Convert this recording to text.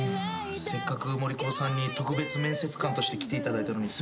せっかく森久保さんに特別面接官として来ていただいたのにすいません。